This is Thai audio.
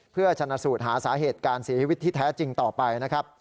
เพื่อชนะสูตรหาสาเหตุการเสียวิทธิแท้จริงต่อไป